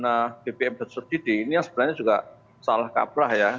nah bbm subdidi ini sebenarnya juga salah kabrah ya